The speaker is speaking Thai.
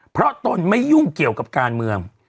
เพราะตนไม่ยุ่งเกี่ยวกับการเมือง